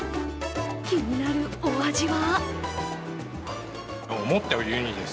気になるお味は？